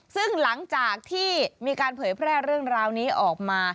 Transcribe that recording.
ซึ่งหลังจากที่มีการเผยแพร่เรื่องราวนี้ออกมา